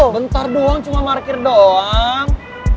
bentar doang cuma parkir doang